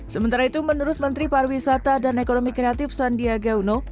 sementara itu menurut menteri pariwisata dan ekonomi kreatif sandiaga uno